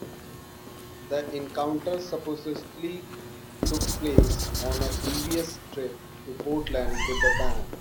The encounter supposedly took place on a previous trip to Portland with the band.